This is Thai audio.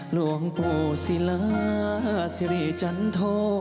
หลวงปู่ศิลาสิริจันโท